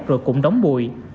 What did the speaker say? rồi cũng đóng bụi